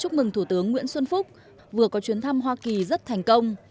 chúc mừng thủ tướng nguyễn xuân phúc vừa có chuyến thăm hoa kỳ rất thành công